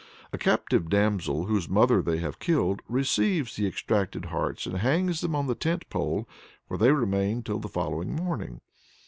A captive damsel whose mother they have killed, receives the extracted hearts and hangs them on the tent pole, where they remain till the following morning.